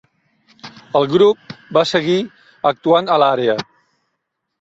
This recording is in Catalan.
El grup va seguir actuant a l'àrea.